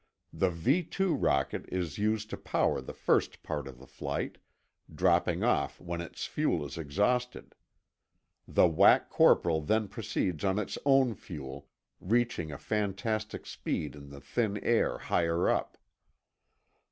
The V 2 rocket is used to power the first part of the flight, dropping off when its fuel is exhausted. The Wac Corporal then proceeds on its own fuel, reaching a fantastic speed in the thin air higher up.